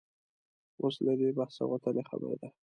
اوس له دې بحثه وتلې خبره ده.